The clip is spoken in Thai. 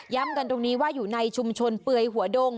กันตรงนี้ว่าอยู่ในชุมชนเปื่อยหัวดง